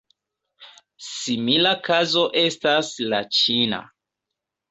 Simila kazo estas la ĉina.